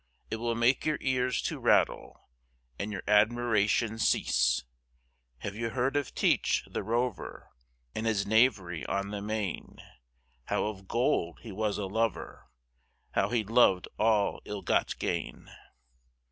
It will make your Ears to rattle, And your Admiration cease; Have you heard of Teach the Rover, And his Knavery on the Main; How of Gold he was a Lover, How he lov'd all ill got Gain?